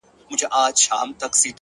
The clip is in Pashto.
پوهه د نسلونو ترمنځ پل جوړوي.!